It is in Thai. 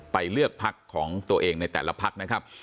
เลือกพักของตัวเองในแต่ละพักนะครับ